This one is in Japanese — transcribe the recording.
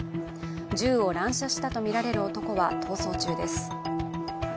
銃を乱射したとみられる男は逃走中です。